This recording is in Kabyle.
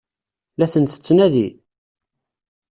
La ten-tettnadi?